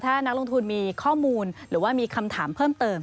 ถ้านักลงทุนมีข้อมูลหรือว่ามีคำถามเพิ่มเติม